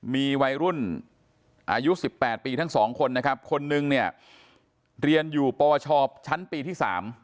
มีวัยรุ่นอายุ๑๘ปีทั้ง๒คนคนหนึ่งเรียนอยู่ปวชชั้นปีที่๓